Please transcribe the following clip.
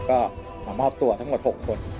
ก็มามอบตัวทั้งหมด๖คน